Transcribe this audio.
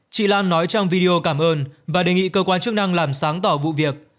chị lan nói trong video cảm ơn và đề nghị cơ quan chức năng làm sáng tỏ vụ việc